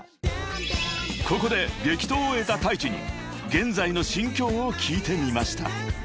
［ここで激闘を終えたＴａｉｃｈｉに現在の心境を聞いてみました］